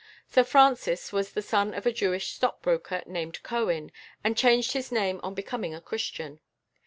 Sir Francis was the son of a Jewish stockbroker named Cohen, and changed his name on becoming a Christian.